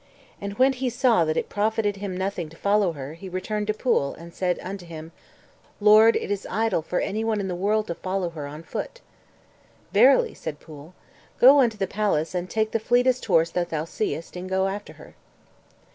And when he saw that it profited him nothing to follow her, he returned to Pwyll, and said unto him, "Lord, it is idle for any one in the world to follow her on foot." "Verily," said Pwyll, "go unto the palace, and take the fleetest horse that thou seest, and go after her."